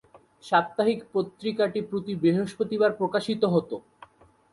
সাপ্তাহিক পত্রিকাটি প্রতি বৃহস্পতিবার প্রকাশিত হতো।